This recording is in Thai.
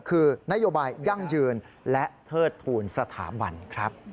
คือนโยบายยั่งยืนและเทิดทูลสถาบันครับ